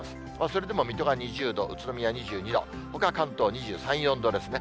それでも水戸が２０度、宇都宮２２度、ほか関東は２３、４度ですね。